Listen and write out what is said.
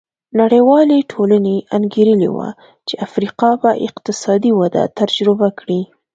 نړیوالې ټولنې انګېرلې وه چې افریقا به اقتصادي وده تجربه کړي.